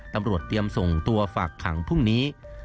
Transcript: ตำรวจเตรียมส่งตัวฝากขังพรุ่งนี้